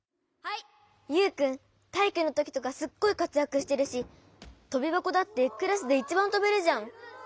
ユウくんたいいくのときとかすっごいかつやくしてるしとびばこだってクラスでいちばんとべるじゃん。